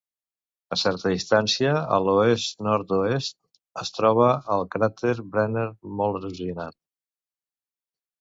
A certa distància a l'oest-nord-oest es troba el cràter Brenner molt erosionat.